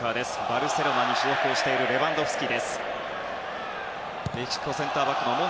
バルセロナに所属しているレバンドフスキ。